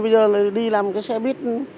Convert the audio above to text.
bây giờ đi làm cái xe buýt